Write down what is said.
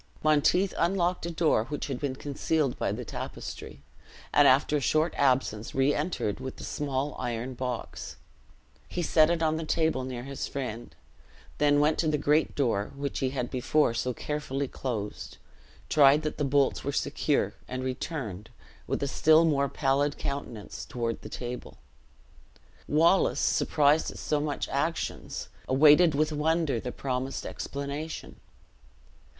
Monteith unlocked a door which had been concealed by the tapestry, and after a short absence re entered with a small iron box. He set it on the table near his friend, then went to the great door, which he had before so carefully closed, tried that the bolts were secure, and returned, with a still more pallid countenance, toward the table. Wallace, surprised at so much actions, awaited with wonder the promised explanation.